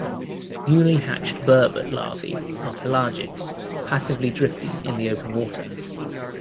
Newly hatched burbot larvae are pelagic, passively drifting in the open water.